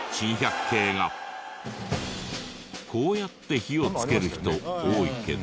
こうやって火をつける人多いけど。